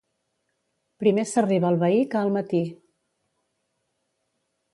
Primer s'arriba al veí que al matí.